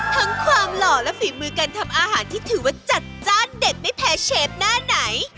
ทั้งความหล่อและฝีมือการทำอาหารที่ถือว่าจัดจ้านเด็ดไม่แพ้เชฟหน้าไหน